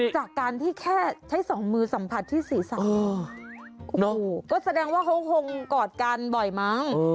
จากการที่แค่ใช้สองมือสัมผัสที่ศีรษะก็แสดงว่าเขาคงกอดกันบ่อยมั้ง